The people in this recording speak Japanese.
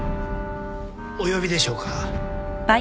お呼びでしょうか？